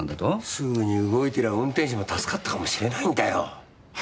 すぐに動いてりゃ運転手も助かったかもしれないんだよ。